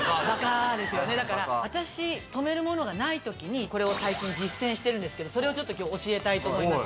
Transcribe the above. だから私留めるものがない時にこれを最近実践してるんですけどそれを今日教えたいと思います。